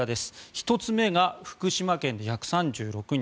１つ目が福島県で１３６人。